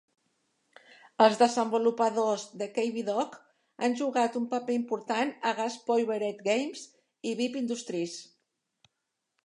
Els desenvolupadors de Cavedog han jugat un paper important a Gas Powered Games i Beep Industries.